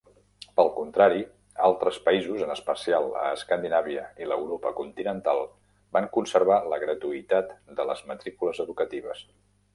Pel contrari, altres països, en especial a Escandinàvia i l'Europa continental van conservar la gratuïtat de les matrícules educatives.